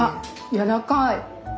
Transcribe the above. やわらかい！